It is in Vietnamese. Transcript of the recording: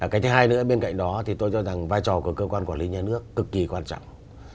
cái thứ hai nữa bên cạnh đó thì tôi cho rằng vai trò của cơ quan quản lý nhà nước cực kỳ quan trọng